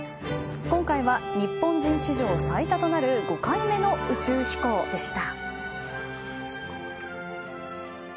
今回は日本人史上最多となる５回目の宇宙飛行でした。